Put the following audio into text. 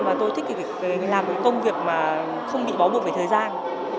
và tôi thích làm công việc mà không bị bó bực về thời gian